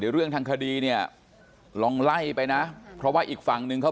เรื่องทางคดีเนี่ยลองไล่ไปนะเพราะว่าอีกฝั่งนึงเขา